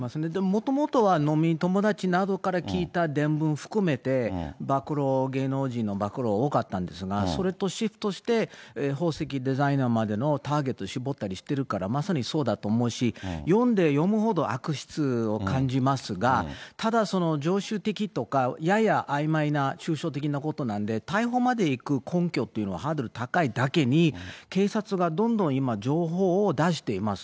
もともとは飲み友達などから聞いた伝聞含めて、暴露、芸能人の暴露が多かったんですが、それとシフトして、宝石デザイナーまでターゲット絞ったりしてるから、まさにそうだと思うし、読んで読むほど悪質を感じますが、ただその常習的とか、ややあいまいな抽象的なことなんで、逮捕までいく根拠っていうのはハードル高いだけに、警察がどんどん今、情報を出しています。